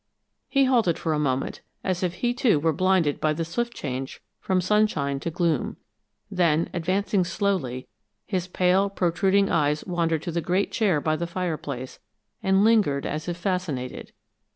He halted for a moment, as if he, too, were blinded by the swift change from sunshine to gloom. Then, advancing slowly, his pale, protruding eyes wandered to the great chair by the fireplace, and lingered as if fascinated.